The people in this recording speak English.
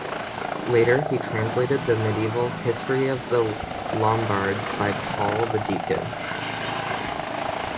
Later, he translated the medieval "History of The Lombards" by Paul the Deacon.